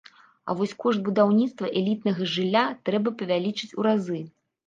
А вось кошт будаўніцтва элітнага жылля трэба павялічыць у разы.